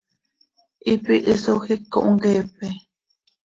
Hipi hisoj iic cohmqueepe.